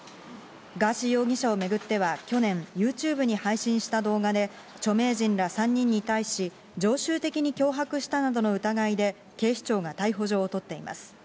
ガーシー容疑者をめぐっては、去年、ＹｏｕＴｕｂｅに配信した動画で著名人ら３人に対し、常習的に脅迫したなどの疑いで、警視庁が逮捕状を取っています。